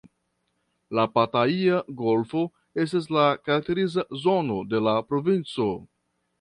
La Pataia Golfo estas la karakteriza zono de la provinco.